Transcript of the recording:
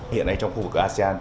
hiện nay trong khu vực asean